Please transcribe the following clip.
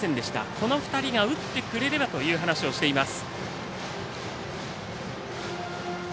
この２人が打ってくれればという話をしています。